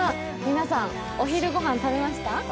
皆さん、お昼御飯食べました？